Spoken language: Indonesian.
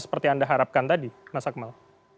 seperti yang anda harapkan tadi mas akmal